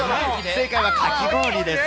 正解はかき氷です。